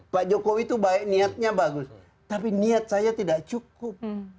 pak jokowi itu baik niatnya bagus tapi niat saya tidak cukup